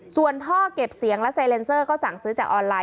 ส่วนท่อเก็บเสียงและไซเลนเซอร์ก็สั่งซื้อจากออนไลน